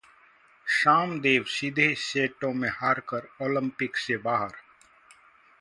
सामदेव सीधे सेटों में हारकर ओलंपिक से बाहर